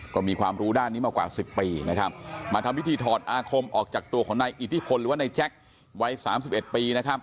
ก็มีความรู้ด้านนี้มากว่า๑๐ปีนะครับมาทำพิธีถอดอาคมออกจากตัวของนายอิทธิพลหรือว่านายแจ็ควัย๓๑ปีนะครับ